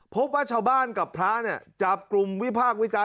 พบว่าชาวบ้านกับพระเนี่ยจับกลุ่มวิพากษ์วิจารณ